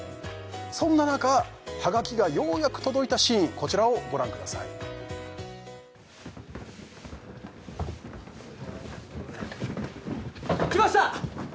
そんな中はがきがようやく届いたシーンこちらをご覧くださいきました！